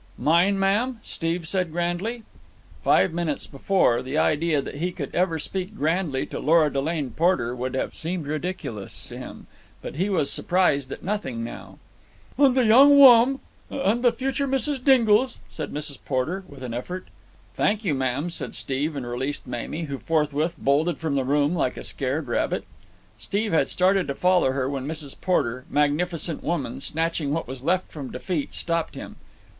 "Mine, ma'am?" said Steve grandly. Five minutes before, the idea that he could ever speak grandly to Lora Delane Porter would have seemed ridiculous to him; but he was surprised at nothing now. "And the young wom—— And the future Mrs. Dingle's," said Mrs. Porter with an effort. "Thank you, ma'am," said Steve, and released Mamie, who forthwith bolted from the room like a scared rabbit. Steve had started to follow her when Mrs. Porter, magnificent woman, snatching what was left from defeat, stopped him.